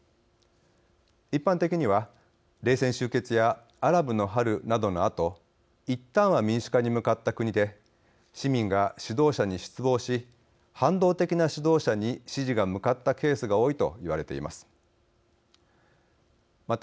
一般的には、冷戦終結やアラブの春などのあといったんは民主化に向かった国で市民が指導者に失望し反動的な指導者に支持が向かったケースが多いと言われています。